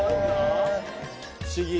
不思議